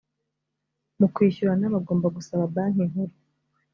mu kwishyurana bagomba gusaba banki nkuru